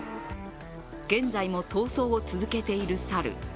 現在も逃走を続けている猿。